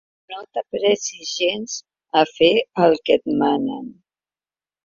No t'apressis gens a fer el que et manen.